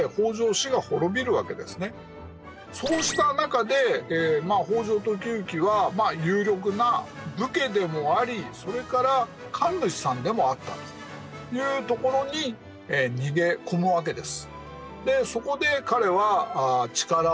そうした中でまあ北条時行は有力な武家でもありそれから神主さんでもあったというところに逃げ込むわけです。